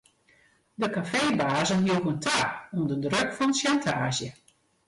De kafeebazen joegen ta ûnder druk fan sjantaazje.